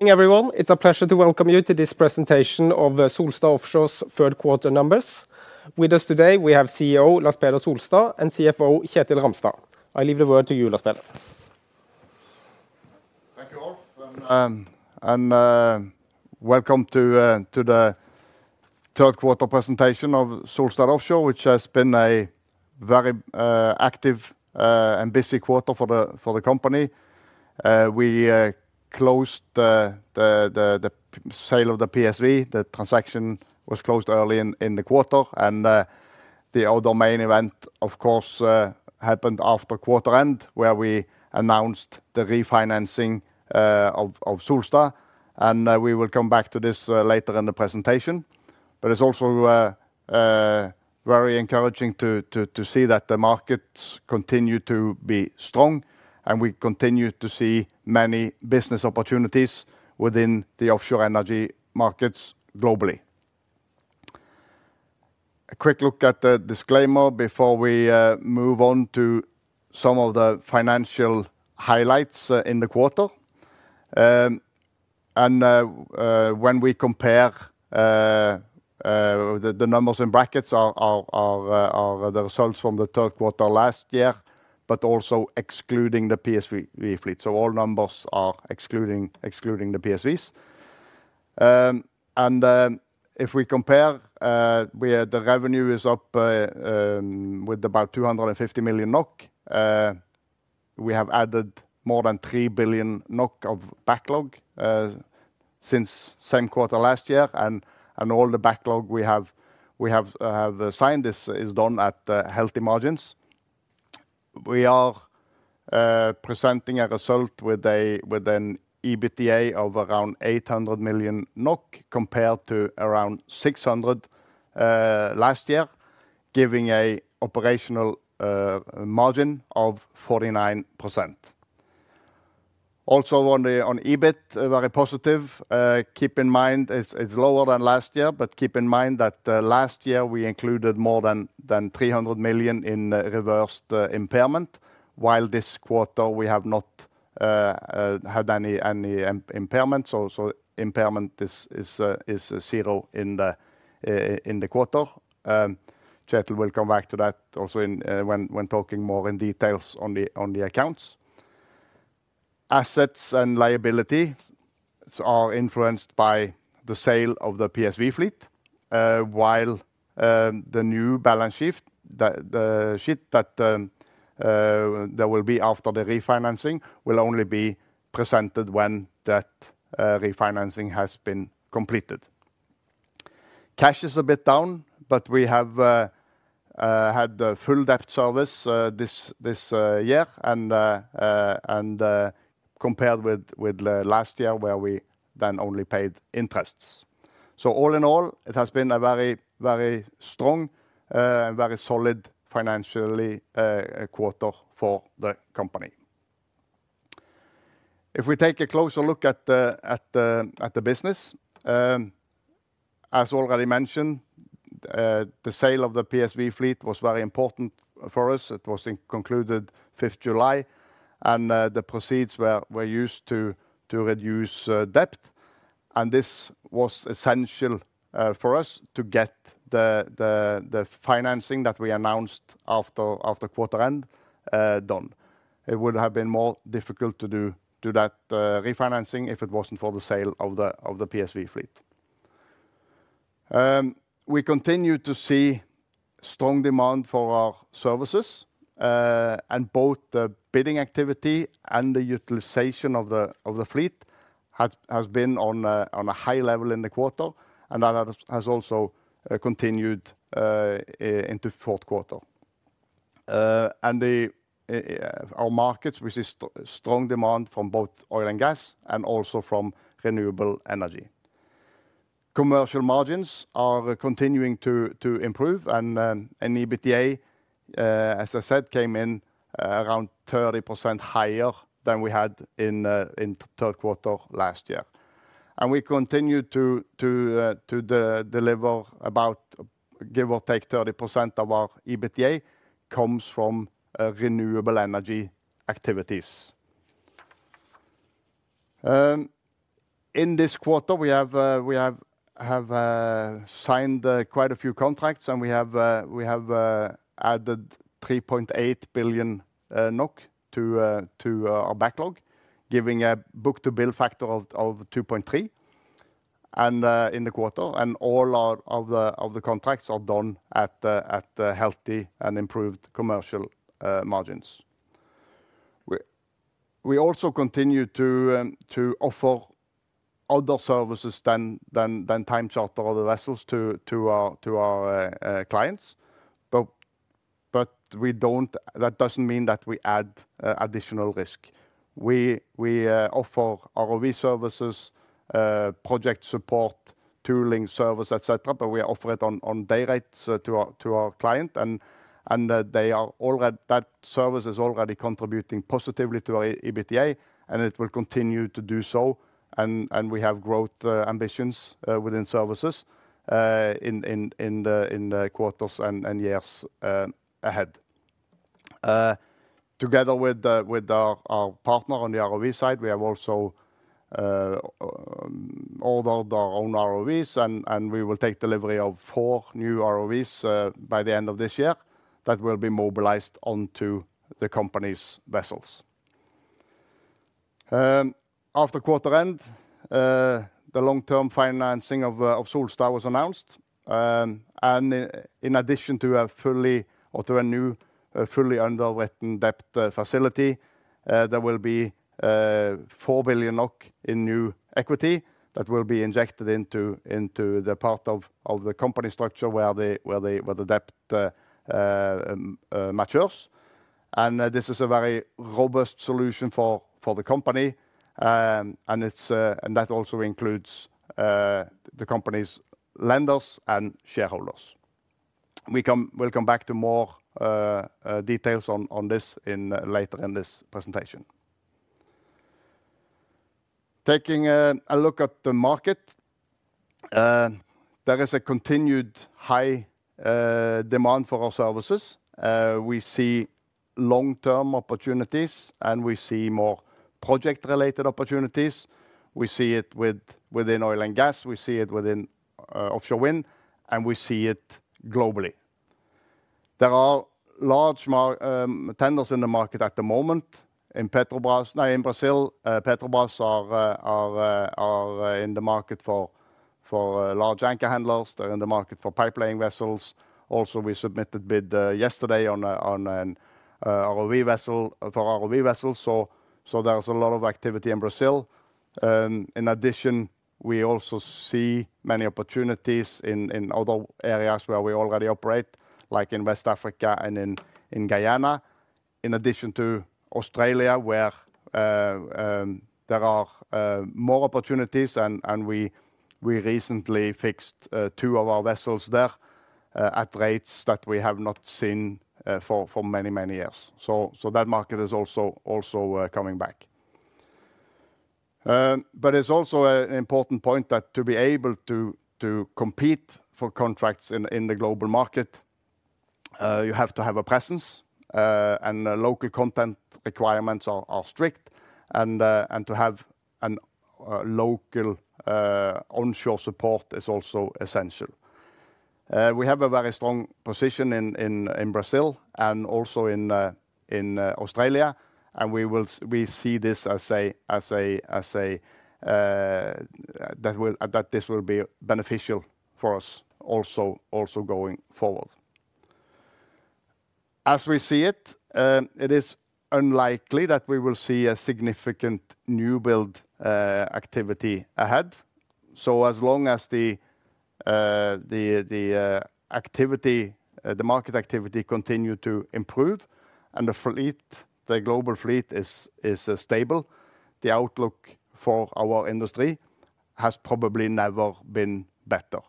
Good morning, everyone. It's a pleasure to welcome you to this presentation of Solstad Offshore's Q3 numbers. With us today, we have CEO Lars Peder Solstad and CFO Kjetil Ramstad. I leave the word to you, Lars Peder. Thank you, Rolf, and welcome to the Q3 presentation of Solstad Offshore, which has been a very active and busy quarter for the company. We closed the sale of the PSV. The transaction was closed early in the quarter, and the other main event, of course, happened after quarter end, where we announced the refinancing of Solstad, and we will come back to this later in the presentation. But it's also very encouraging to see that the markets continue to be strong, and we continue to see many business opportunities within the offshore energy markets globally. A quick look at the disclaimer before we move on to some of the financial highlights in the quarter. When we compare, the numbers in brackets are the results from the Q3 last year, but also excluding the PSV fleet. So all numbers are excluding the PSVs. If we compare, the revenue is up with about 250 million NOK. We have added more than 3 billion NOK of backlog since same quarter last year, and all the backlog we have, we have signed. This is done at healthy margins. We are presenting a result with an EBITDA of around 800 million NOK, compared to around 600 million last year, giving an operational margin of 49%. Also on the EBIT, very positive. Keep in mind, it's lower than last year, but keep in mind that last year we included more than 300 million in reversed impairment, while this quarter we have not had any impairment. So impairment is zero in the quarter. Kjetil will come back to that also in when talking more in details on the accounts. Assets and liability are influenced by the sale of the PSV fleet, while the new balance sheet that will be after the refinancing will only be presented when that refinancing has been completed. Cash is a bit down, but we have had the full debt service this year, and compared with last year, where we then only paid interests. So all in all, it has been a very, very strong, very solid financially quarter for the company. If we take a closer look at the business, as already mentioned, the sale of the PSV fleet was very important for us. It was concluded July 5th, and the proceeds were used to reduce debt, and this was essential for us to get the financing that we announced after quarter end done. It would have been more difficult to do that refinancing if it wasn't for the sale of the PSV fleet. We continue to see strong demand for our services, and both the bidding activity and the utilization of the fleet has been on a high level in the quarter, and that has also continued into Q4. And our markets, we see strong demand from both Oil & Gas and also from renewable energy. Commercial margins are continuing to improve, and EBITDA, as I said, came in around 30% higher than we had in Q3 last year. And we continue to deliver about, give or take, 30% of our EBITDA comes from renewable energy activities. In this quarter, we have signed quite a few contracts, and we have added 3.8 billion NOK to our backlog, giving a book-to-bill factor of 2.3 in the quarter, and all of the contracts are done at the healthy and improved commercial margins. We also continue to offer other services than time charter or the vessels to our clients. But we don't... That doesn't mean that we add additional risk. We offer ROV services, project support, tooling service, et cetera, but we offer it on day rates to our client, and that service is already contributing positively to our EBITDA, and it will continue to do so, and we have growth ambitions within services in the quarters and years ahead. Together with our partner on the ROV side, we have also ordered our own ROVs and we will take delivery of four new ROVs by the end of this year that will be mobilized onto the company's vessels. After quarter end, the long-term financing of Solstad was announced. And in addition to a new fully underwritten debt facility, there will be 4 billion NOK in new equity that will be injected into the part of the company structure where the debt matures. And this is a very robust solution for the company. And that also includes the company's lenders and shareholders. We'll come back to more details on this later in this presentation. Taking a look at the market, there is a continued high demand for our services. We see long-term opportunities, and we see more project-related opportunities. We see it within Oil & Gas, we see it within offshore wind, and we see it globally. There are large tenders in the market at the moment. In Brazil, Petrobras are in the market for large anchor handlers. They're in the market for pipe-laying vessels. Also, we submitted bid yesterday on an ROV vessel for ROV vessel, so there was a lot of activity in Brazil. In addition, we also see many opportunities in other areas where we already operate, like in West Africa and in Guyana, in addition to Australia, where there are more opportunities and we recently fixed two of our vessels there at rates that we have not seen for many years. So that market is also coming back. But it's also an important point that to be able to compete for contracts in the global market, you have to have a presence, and the local content requirements are strict, and to have a local onshore support is also essential. We have a very strong position in Brazil and also in Australia, and we see this as a that this will be beneficial for us also going forward. As we see it, it is unlikely that we will see a significant new build activity ahead. So as long as the activity, the market activity continue to improve and the fleet, the global fleet is stable, the outlook for our industry has probably never been better.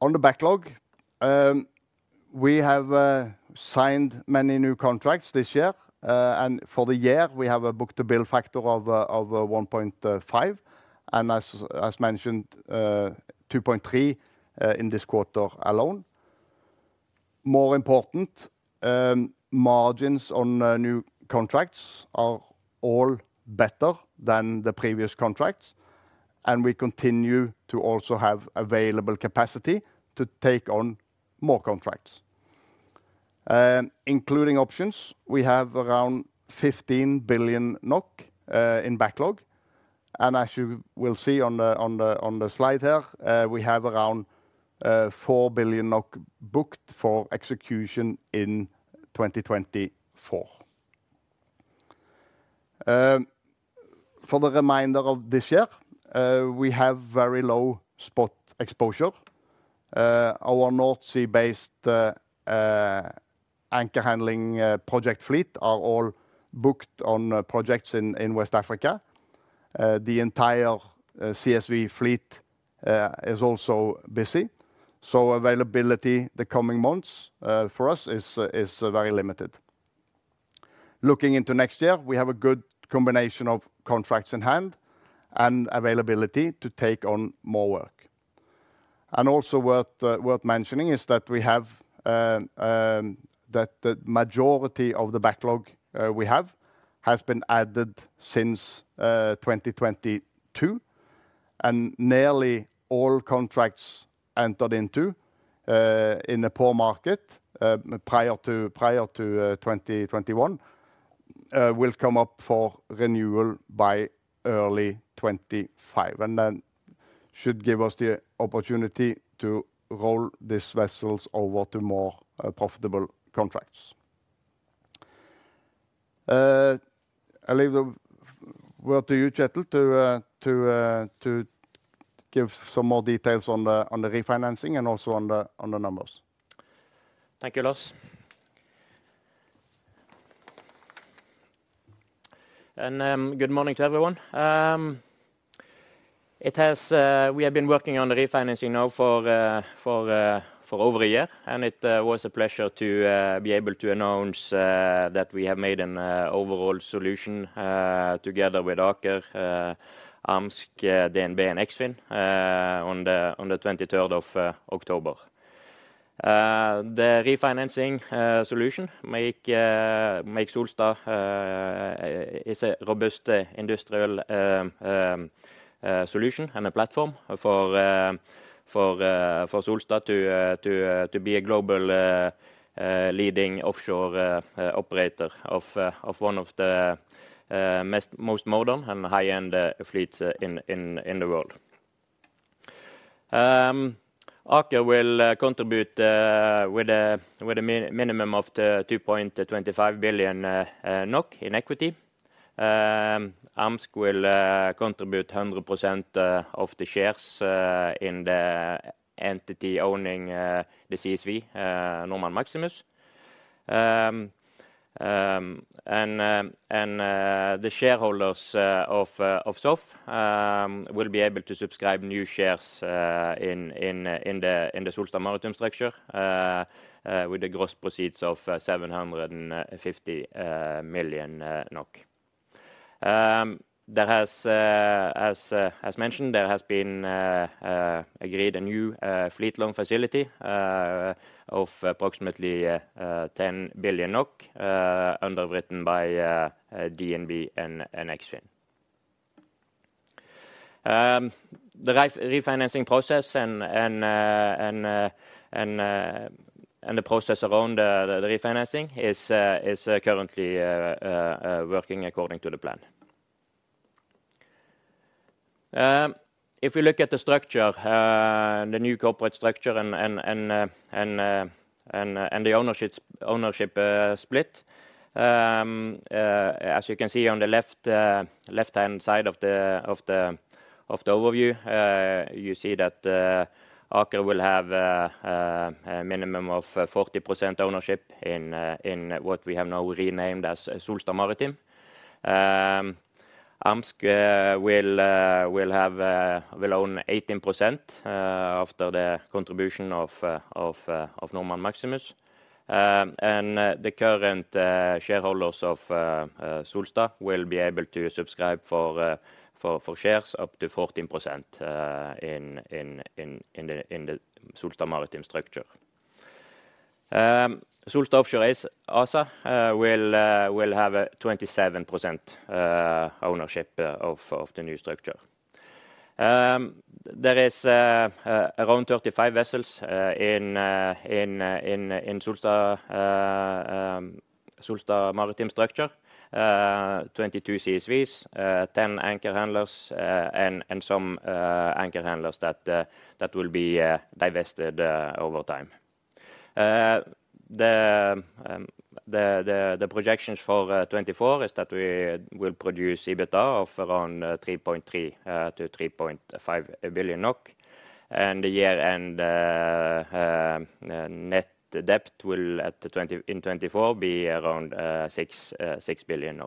On the backlog, we have signed many new contracts this year. And for the year, we have a book-to-bill factor of 1.5, and as mentioned, 2.3 in this quarter alone. More important, margins on new contracts are all better than the previous contracts, and we continue to also have available capacity to take on more contracts. Including options, we have around 15 billion NOK in backlog, and as you will see on the slide here, we have around 4 billion booked for execution in 2024. For the remainder of this year, we have very low spot exposure. Our North Sea-based anchor handling project fleet are all booked on projects in West Africa. The entire CSV fleet is also busy, so availability the coming months for us is very limited. Looking into next year, we have a good combination of contracts in hand and availability to take on more work. And also worth mentioning is that we have that the majority of the backlog we have has been added since 2022, and nearly all contracts entered into in a poor market prior to 2021 will come up for renewal by early 2025, and then should give us the opportunity to roll these vessels over to more profitable contracts. I leave the word to you, Kjetil, to give some more details on the refinancing and also on the numbers. Thank you, Lars. And good morning to everyone. We have been working on the refinancing now for over a year, and it was a pleasure to be able to announce that we have made an overall solution together with Aker, AMSC, DNB and Eksfin on October 23rd. The refinancing solution makes Solstad a robust industrial solution and a platform for Solstad to be a global leading offshore operator of one of the most modern and high-end fleets in the world. Aker will contribute with a minimum of the 2.25 billion NOK in equity. AMSC will contribute 100% of the shares in the entity owning the CSV Normand Maximus. The shareholders of SOFF will be able to subscribe new shares in the Solstad Maritime structure with the gross proceeds of 750 million NOK. There has, as mentioned, there has been agreed a new fleet loan facility of approximately NOK 10 billion, underwritten by DNB and Eksfin. The refinancing process and the process around the refinancing is currently working according to the plan. If you look at the structure, the new corporate structure and the ownership split, as you can see on the left-hand side of the overview, you see that Aker will have a minimum of 40% ownership in what we have now renamed as Solstad Maritime. AMSC will own 18% after the contribution of Normand Maximus. The current shareholders of Solstad will be able to subscribe for shares up to 14% in the Solstad Maritime structure. Solstad Offshore ASA will have a 27% ownership of the new structure. There is around 35 vessels in Solstad Maritime structure. 22 CSVs, 10 anchor handlers, and some anchor handlers that will be divested over time. The projections for 2024 is that we will produce EBITDA of around 3.3 billion-3.5 billion NOK. And the year-end net debt will in 2024 be around 6 billion.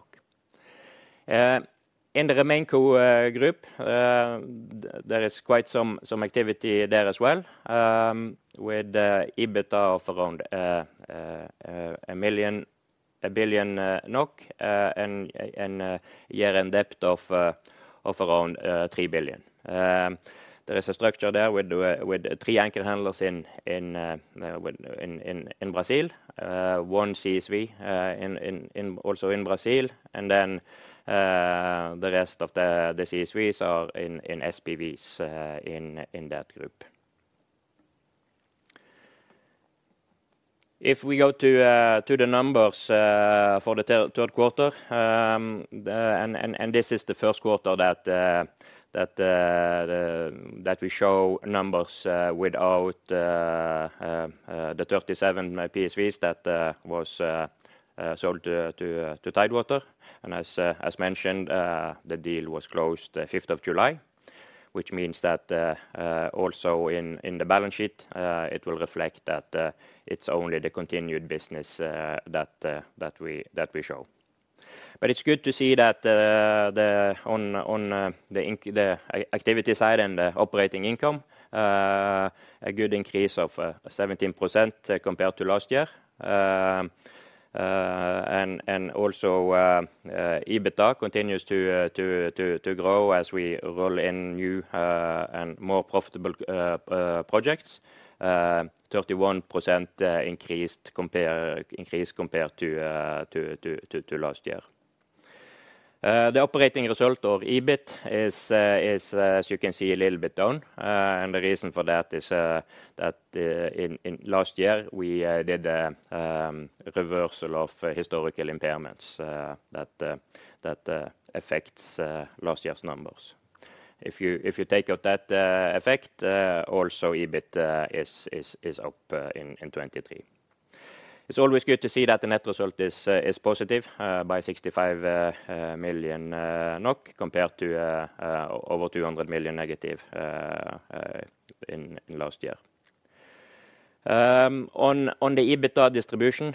In the Remenco group, there is quite some activity there as well, with the EBITDA of around 1 billion NOK, and year-end debt of around 3 billion. There is a structure there with three anchor handlers in Brazil, one CSV also in Brazil, and then the rest of the CSVs are in SPVs in that group. If we go to the numbers for the Q3, and this is the Q1 that we show numbers without the 37 PSVs that was sold to Tidewater. And as mentioned, the deal was closed July 5th, which means that also in the balance sheet it will reflect that it's only the continued business that we show. But it's good to see that on the activity side and the operating income a good increase of 17% compared to last year. And also EBITDA continues to grow as we roll in new and more profitable projects. 31% increase compared to last year. The operating result or EBIT is, as you can see, a little bit down. And the reason for that is that in last year we did reversal of historical impairments that affects last year's numbers. If you take out that effect, also EBIT is up in 2023. It's always good to see that the net result is positive by NOK 65 million, compared to over NOK 200 million negative in last year. On the EBITDA distribution,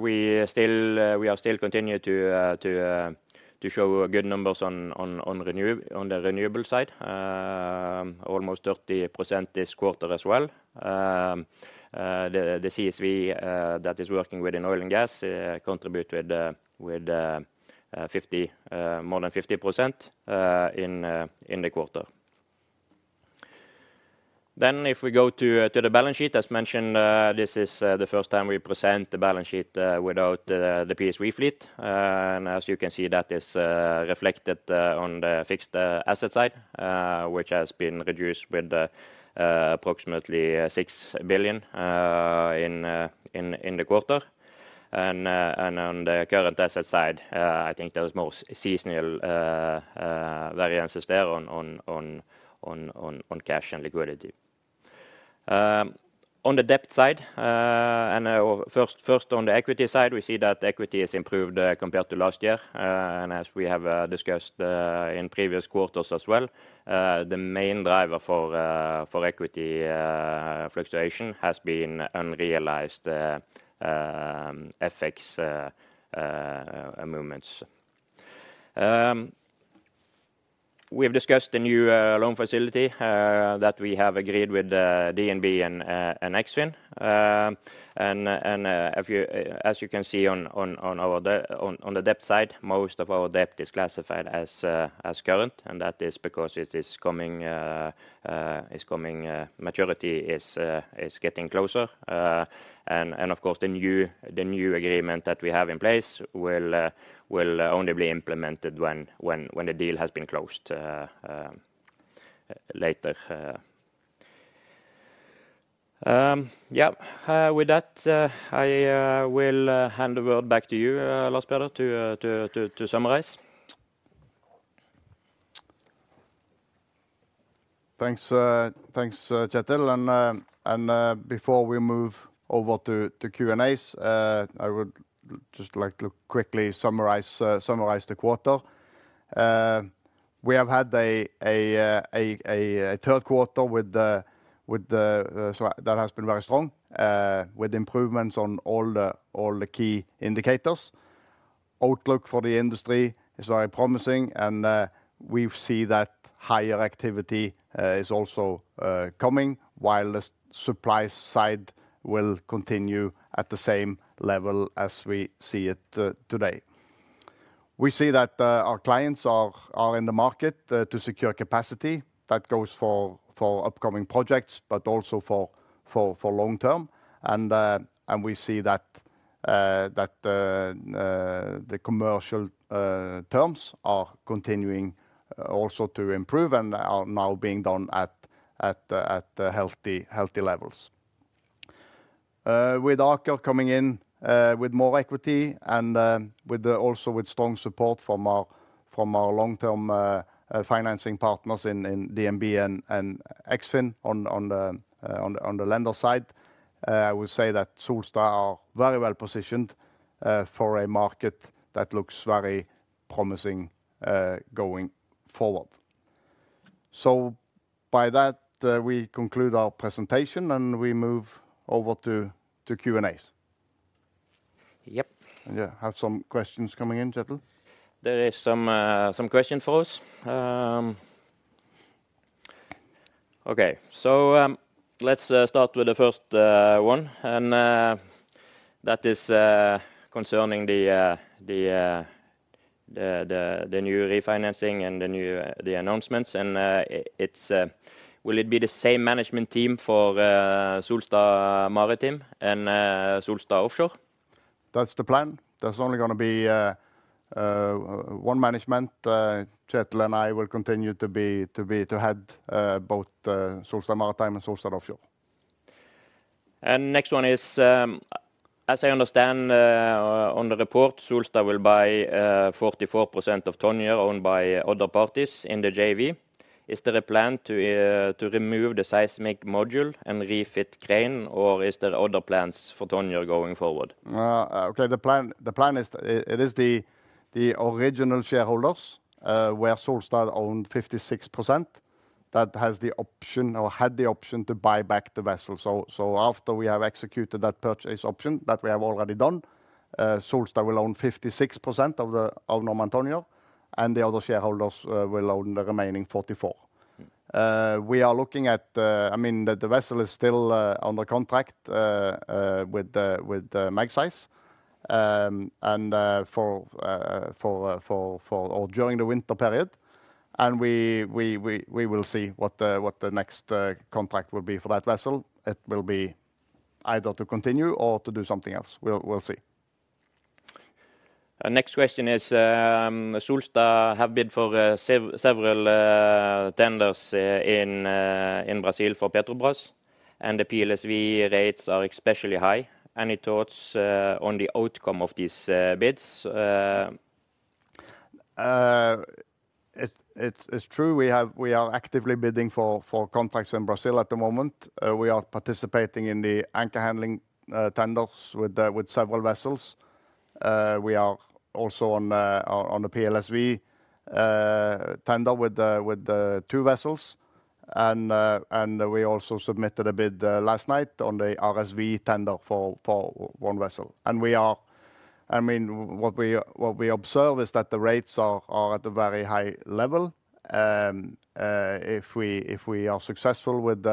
we are still continuing to show good numbers on the renewable side, almost 30% this quarter as well. The CSV that is working within Oil & Gas contribute with more than 50% in the quarter. Then if we go to the balance sheet, as mentioned, this is the first time we present the balance sheet without the PSV fleet. And as you can see, that is reflected on the fixed asset side, which has been reduced with approximately 6 billion in the quarter. And on the current asset side, I think there is more seasonal variances there on cash and liquidity. On the debt side and or first on the equity side, we see that equity has improved compared to last year. And as we have discussed in previous quarters as well, the main driver for equity fluctuation has been unrealized effects movements. We have discussed the new loan facility that we have agreed with DNB and Eksfin. As you can see on our debt, on the debt side, most of our debt is classified as current, and that is because it is coming. Maturity is getting closer. And of course, the new agreement that we have in place will only be implemented when the deal has been closed later. Yeah, with that, I will hand the word back to you, Lars Peder, to summarize. Thanks, Kjetil. Before we move over to Q&As, I would just like to quickly summarize the quarter. We have had a Q3 with the, so that has been very strong, with improvements on all the key indicators. Outlook for the industry is very promising, and we've see that higher activity is also coming, while the supply side will continue at the same level as we see it today. We see that our clients are in the market to secure capacity. That goes for upcoming projects, but also for long term. We see that the commercial terms are continuing also to improve and are now being done at healthy levels. With Aker coming in with more equity and also with strong support from our long-term financing partners in DNB and Eksfin on the lender side, I would say that Solstad are very well positioned for a market that looks very promising going forward. So by that, we conclude our presentation, and we move over to Q&As. Yep. Yeah. Have some questions coming in, Kjetil? There is some question for us. Okay. So, let's start with the first one, and that is concerning the new refinancing and the new announcements. And it's, will it be the same management team for Solstad Maritime and Solstad Offshore? That's the plan. There's only gonna be one management. Kjetil and I will continue to head both Solstad Maritime and Solstad Offshore. Next one is, as I understand, on the report, Solstad will buy 44% of Tonjer owned by other parties in the JV. Is there a plan to remove the seismic module and refit crane, or is there other plans for Tonjer going forward? Okay, the plan, the plan is, it is the original shareholders where Solstad owned 56% that has the option or had the option to buy back the vessel. So after we have executed that purchase option, that we have already done, Solstad will own 56% of Normand Tonjer, and the other shareholders will own the remaining 44%. I mean, the vessel is still under contract with the Magseis, and for or during the winter period, and we will see what the next contract will be for that vessel. It will be either to continue or to do something else. We'll see. And next question is, Solstad have bid for several tenders in Brazil for Petrobras, and the PSV rates are especially high. Any thoughts on the outcome of these bids? It's true. We are actively bidding for contracts in Brazil at the moment. We are participating in the anchor handling tenders with several vessels. We are also on the PLSV tender with the two vessels, and we also submitted a bid last night on the RSV tender for one vessel. And we are... I mean, what we observe is that the rates are at a very high level. If we are successful with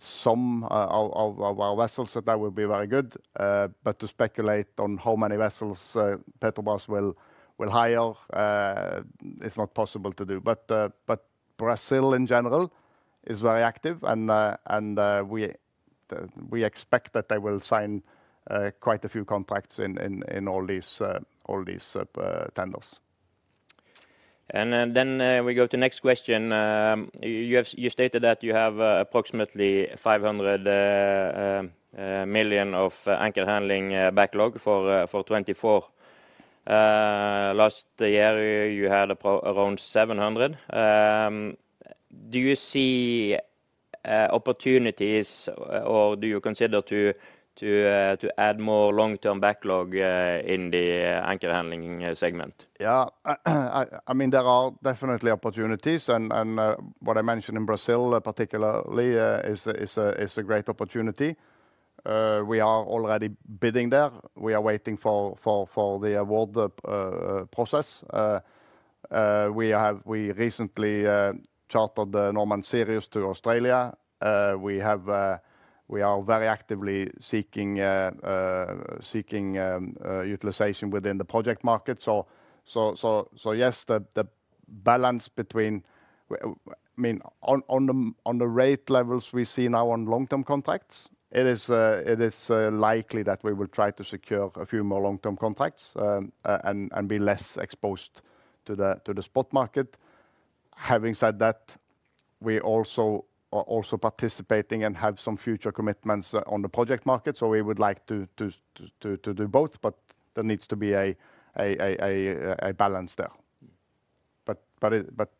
some of our vessels, so that will be very good. But to speculate on how many vessels Petrobras will hire, it's not possible to do. But Brazil in general is very active, and we expect that they will sign quite a few contracts in all these tenders. Then we go to next question. You stated that you have approximately 500 million of anchor handling backlog for 2024. Last year, you had around 700 million. Do you see opportunities, or do you consider to add more long-term backlog in the anchor handling segment? Yeah. I mean, there are definitely opportunities, and what I mentioned in Brazil particularly is a great opportunity. We are already bidding there. We are waiting for the award process. We have... We recently chartered the Normand Sirius to Australia. We are very actively seeking utilization within the project market. So yes, the balance between, I mean, on the rate levels we see now on long-term contracts, it is likely that we will try to secure a few more long-term contracts, and be less exposed to the spot market. Having said that, we also are participating and have some future commitments on the project market, so we would like to do both, but there needs to be a balance there. But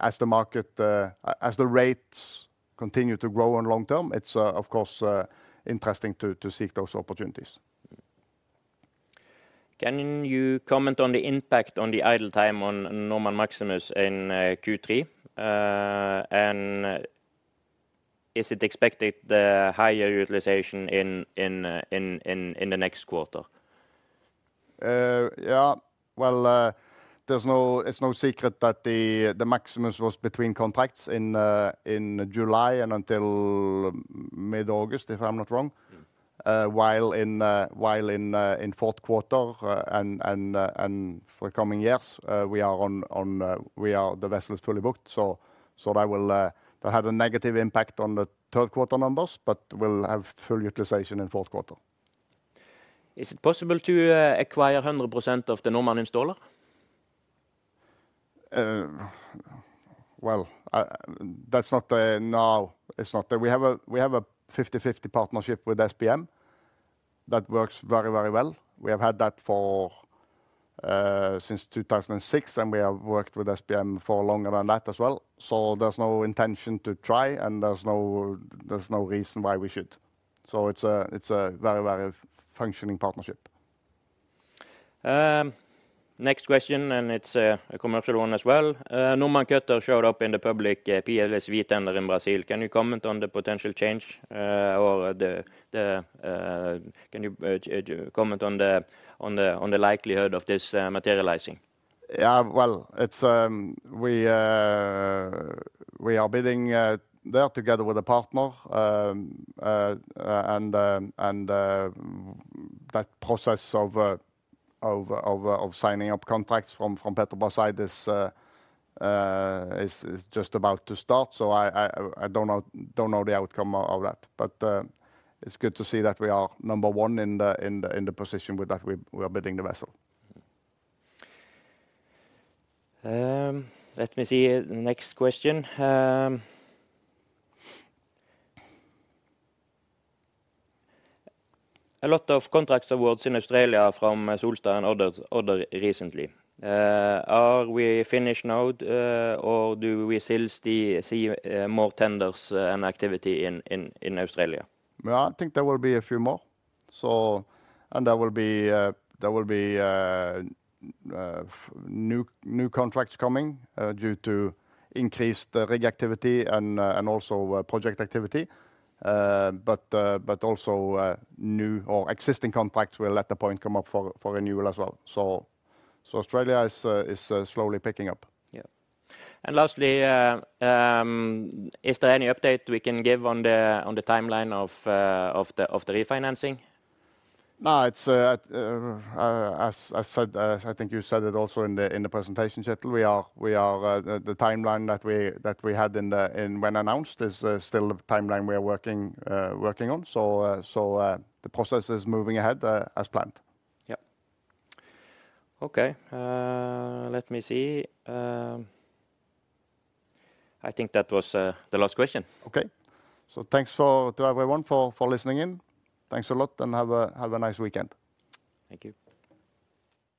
as the rates continue to grow on long term, it's of course interesting to seek those opportunities. Can you comment on the impact on the idle time on Normand Maximus in Q3? Is it expected, the higher utilization in the next quarter? Yeah. Well, it's no secret that the Maximus was between contracts in July and until mid-August, if I'm not wrong. While in Q4 and for the coming years, the vessel is fully booked. So that had a negative impact on the Q3 numbers, but we'll have full utilization in Q4. Is it possible to acquire 100% of the Normand Installer? Well, that's not the, now, it's not. We have a 50/50 partnership with SBM that works very, very well. We have had that since 2006, and we have worked with SBM for longer than that as well. So there's no intention to try, and there's no reason why we should. So it's a very, very functioning partnership. Next question, and it's a commercial one as well. Normand Cutter showed up in the public PLSV tender in Brazil. Can you comment on the potential change or the likelihood of this materializing? Yeah. Well, it's we are bidding there together with a partner. That process of signing up contracts from Petrobras side is just about to start, so I don't know the outcome of that. But it's good to see that we are number one in the position with that we are bidding the vessel. Let me see. Next question. A lot of contract awards in Australia from Solstad and others recently. Are we finished now, or do we still see more tenders and activity in Australia? Well, I think there will be a few more. And there will be new contracts coming due to increased rig activity and also project activity. But also, new or existing contracts will, at the point, come up for renewal as well. So, Australia is slowly picking up. Yeah. Lastly, is there any update we can give on the timeline of the refinancing? No, it's as said. I think you said it also in the presentation chat, the timeline that we had when announced is still the timeline we are working on. So, the process is moving ahead as planned. Yeah. Okay, let me see. I think that was the last question. Okay. So thanks to everyone for listening in. Thanks a lot, and have a nice weekend. Thank you.